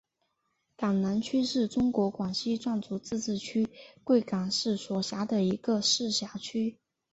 港南区是中国广西壮族自治区贵港市所辖的一个市辖区。